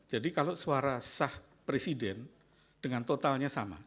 jadi kalau suara sah presiden dengan totalnya sama